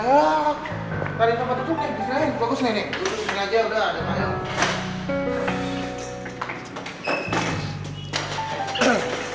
yaudah tarik sama tutup nih